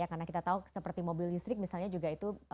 karena kita tahu seperti mobil listrik misalnya juga itu